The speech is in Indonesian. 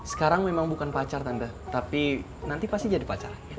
sekarang memang bukan pacar tante tapi nanti pasti jadi pacar aja